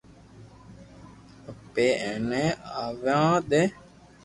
ايني ايني آوا دي